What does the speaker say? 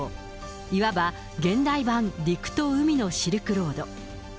いわば、現代版、陸と海のシルクロード。